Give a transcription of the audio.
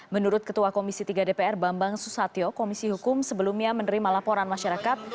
menurut ketua komisi tiga dpr bambang susatyo komisi hukum sebelumnya menerima laporan masyarakat